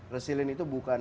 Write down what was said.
resilien itu bukan